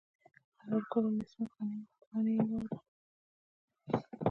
قرار ګله له عصمت قانع یې واوره.